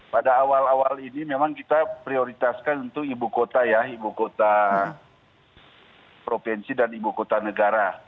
pada awal awal ini memang kita prioritaskan untuk ibu kota ya ibu kota provinsi dan ibu kota negara